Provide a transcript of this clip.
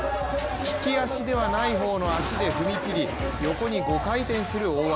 利き足ではない方の足で踏み切り横に５回転する大技。